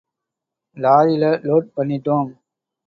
லாரில load பண்ணிட்டோம்.